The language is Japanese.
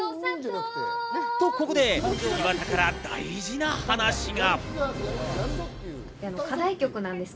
ここで岩田から大事な話が。